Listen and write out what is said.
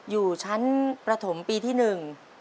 อยู่ชั้นประถมปีที่หนึ่ง